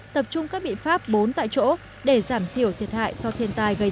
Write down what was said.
tập trung các biện pháp bốn tại chỗ để giảm thiểu thiệt hại do thiên tai gây ra